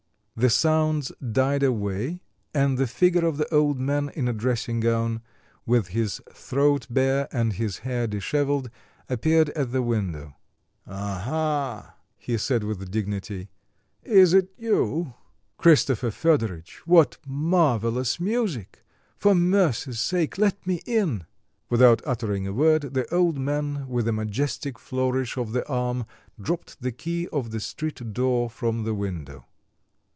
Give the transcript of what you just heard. The sounds died away and the figure of the old man in a dressing gown, with his throat bare and his hair dishevelled, appeared at the window. "Aha!" he said with dignity, "is it you?" "Christopher Fedoritch, what marvellous music! for mercy's sake, let me in." Without uttering a word, the old man with a majestic flourish of the arm dropped the key of the street door from the window.